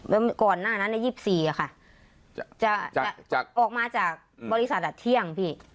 อืมก่อนหน้านั้นในยี่สิบสี่อะค่ะจะจะจะออกมาจากบริษัทจากเที่ยงพี่